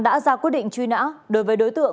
đã ra quyết định truy nã đối với đối tượng